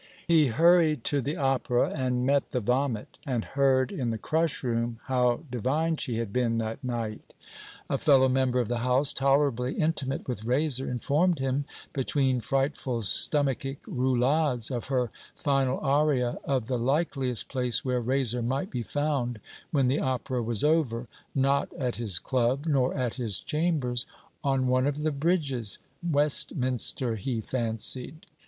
He hurried to the Opera and met the vomit, and heard in the crushroom how divine she had been that night. A fellow member of the House, tolerably intimate with Raiser, informed him, between frightful stomachic roulades of her final aria, of the likeliest place where Raiser might be found when the Opera was over: not at his Club, nor at his chambers: on one of the bridges Westminster, he fancied.